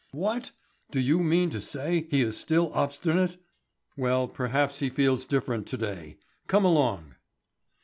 "What! Do you mean to say he is still obstinate?" "Well, perhaps he feels different to day. Come along."